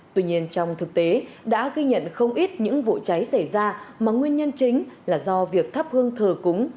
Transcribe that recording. tuy nhiên trong thực tế đã ghi nhận không ít những vụ cháy xảy ra mà nguyên nhân chính là do việc thắp hương thờ cúng